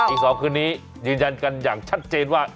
อีก๒คืนนี้ยืนยันกันอย่างชัดเจนว่า